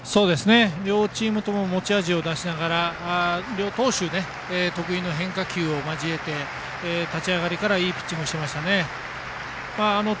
両チームとも持ち味を出しながら両投手、得意の変化球を交えて立ち上がりからいいピッチングをしましたね。